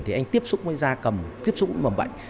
thì anh tiếp xúc với da cầm tiếp xúc với mầm bệnh